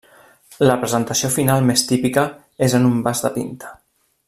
La presentació final més típica és en un vas de pinta.